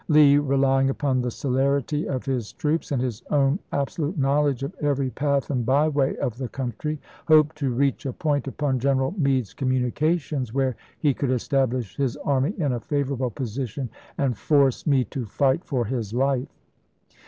Lee, relying upon the celerity of his troops and his own absolute knowledge of every path and by way of the country, hoped to reach a point upon General Meade's communications where he could establish his army in a favorable position and force Meade to fight for his life.